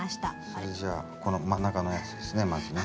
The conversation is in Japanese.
それじゃあこの真ん中のやつですねまずね。